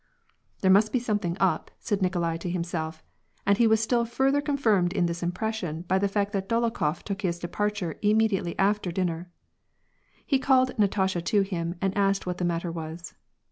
"There must be something up^" said Nikolai to himself, and he was still further confirmed in this impression by the fact that Dolokhof took his departure immediately after dinner He called Natasha to him, and asked what the matter was.